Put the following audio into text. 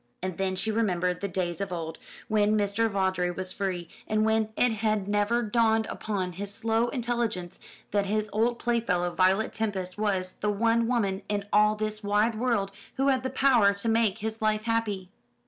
And then she remembered the days of old, when Mr. Vawdrey was free, and when it had never dawned upon his slow intelligence that his old playfellow, Violet Tempest, was the one woman in all this wide world who had the power to make his life happy.